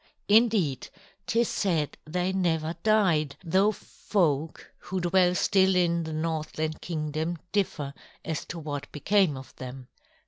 Indeed, 'tis said they never died, though folk who dwell still in the Northland Kingdom differ as to what became of them.